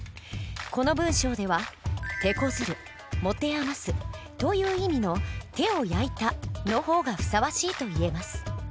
この文章では「手こずる」「もてあます」という意味の「手を焼いた」の方がふさわしいといえます。